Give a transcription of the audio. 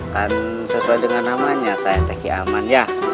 kan sesuai dengan namanya saya hantar ki aman ya